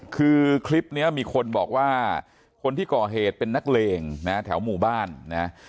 คือคลิปนี้มีคนบอกว่าคนที่ก่อเหตุเป็นนักเลงนะแถวหมู่บ้านนะ